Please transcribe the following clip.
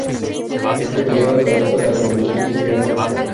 Este período acabó con la Revolución Juliana.